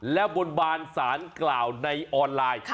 และบนบานสารกล่าวในออนไลน์